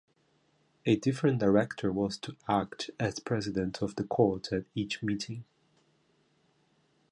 A different director was to act as president of the Court at each meeting.